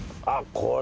これ？